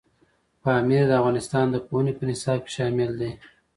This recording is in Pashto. پامیر د افغانستان د پوهنې په نصاب کې شامل دی.